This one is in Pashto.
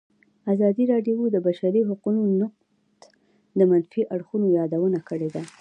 ازادي راډیو د د بشري حقونو نقض د منفي اړخونو یادونه کړې.